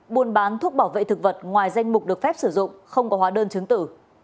buôn bán thuốc bảo vệ thực vật ngoài danh mục được phép sử dụng không có hóa đơn chứng tử